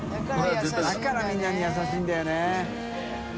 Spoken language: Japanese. だからみんなに優しいんだよね。